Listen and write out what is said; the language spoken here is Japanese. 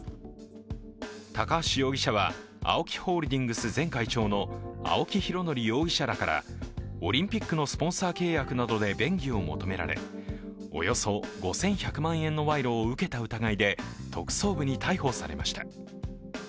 高橋容疑者は、ＡＯＫＩホールディングス前会長の青木拡憲容疑者らからオリンピックのスポンサー契約などで便宜を求められおよそ５１００万円の賄賂を受けた疑いで特捜部に逮捕されました。